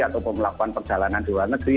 ataupun melakukan perjalanan di luar negeri